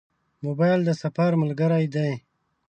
موبایل د سفر ملګری دی.